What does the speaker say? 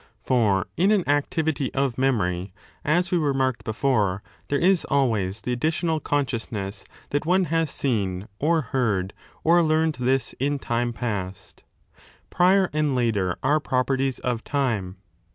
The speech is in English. For in an activity of memory, as we remarked before, there is always the additional consciousness that one has seen or 9 heard or learned this in time past. Prior and later are properties of time.